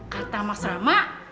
kata mas ramah